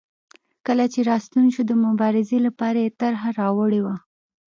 کله چې راستون شو د مبارزې لپاره یې طرحه راوړې وه.